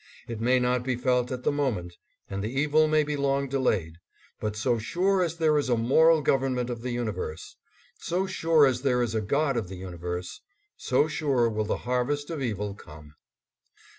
It may not be felt at the moment, and the evil may be long delayed, but so sure as there is a moral govern ment of the universe, so sure as there is a God of the universe, so sure will the harvest of evil come.